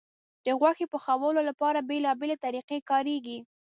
د غوښې پخولو لپاره بیلابیلې طریقې کارېږي.